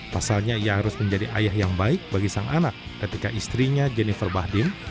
pasalnya ia harus menjadi ayah yang baik bagi sang anak ketika istrinya jennifer bahdim